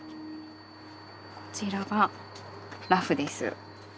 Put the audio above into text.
こちらがラフです。